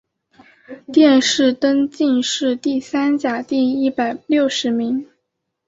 殿试登进士第三甲第一百六十名。